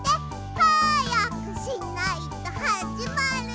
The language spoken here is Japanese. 「はやくしないとはじまるよ」